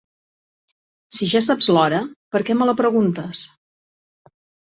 Si ja saps l'hora, per què me la preguntes?